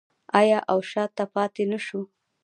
آیا او شاته پاتې نشو؟